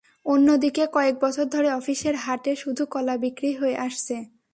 অন্যদিকে কয়েক বছর ধরে অফিসের হাটে শুধু কলা বিক্রি হয়ে আসছে।